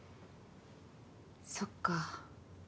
そっか。